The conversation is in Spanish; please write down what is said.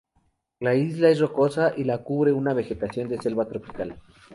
La isla es rocosa y la cubre una vegetación de selva tropical.